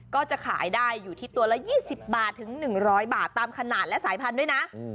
ก็จะขายได้อยู่ที่ตัวละ๒๐บาทถึง๑๐๐บาทตามขนาดและสายพันธุ์ด้วยนะ